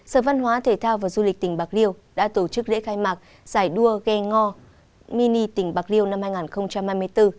sở văn hóa thể thao và du lịch tỉnh bạc liêu đã tổ chức lễ khai mạc giải đua ghe ngò mini tỉnh bạc liêu năm hai nghìn hai mươi bốn